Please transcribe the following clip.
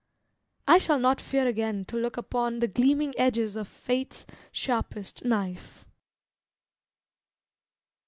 I shall not fear again to look upon The gleaming edges of Fate's sharpest knife.